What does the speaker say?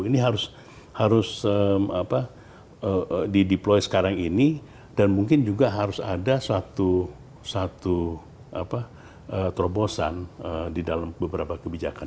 ini harus dideploy sekarang ini dan mungkin juga harus ada satu terobosan di dalam beberapa kebijakan